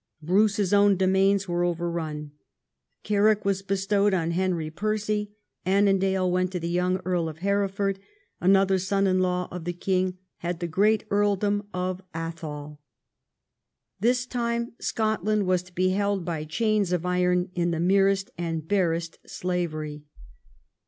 Bruce's own domains were overrun. Carrick was bestowed on Henry Percy ; Annandale went to the young Earl of Hereford ; an other son in law of the king had the great earldom of Athol. This time Scotland was to be held by chains of iron in the merest and barest slavery.